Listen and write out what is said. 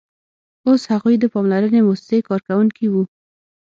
اوس هغوی د پاملرنې موسسې کارکوونکي وو